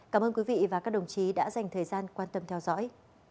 cảm ơn quý vị và các đồng chí đã dành thời gian quan tâm theo dõi